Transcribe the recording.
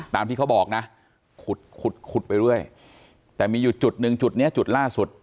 ที่เขาบอกนะขุดขุดขุดไปเรื่อยแต่มีอยู่จุดหนึ่งจุดเนี้ยจุดล่าสุด